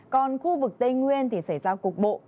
còn khu vực tây nguyên thì xảy ra cục bộ